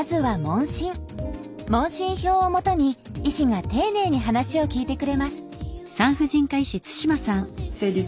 問診票をもとに医師が丁寧に話を聞いてくれます。